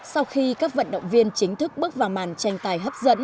sau khi các vận động viên chính thức bước vào màn tranh tài hấp dẫn